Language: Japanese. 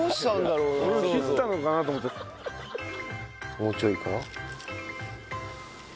もうちょいか？